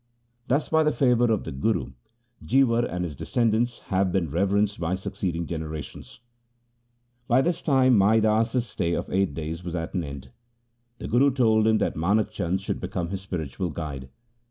Thus, by the favour of the Guru, Jiwar and his descendants have been reverenced by succeeding generations. By this time Mai Das's stay of eight days was at an end. The Guru told him that Manak Chand should become his spiritual guide.